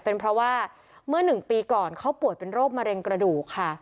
เป็นเพราะว่าเมื่อ๑ปีก่อนเขาป่วยเป็นโรคมะเร็งกระดูกค่ะ